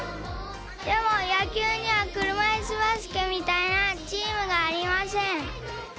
でもやきゅうにはくるまいすバスケみたいなチームがありません。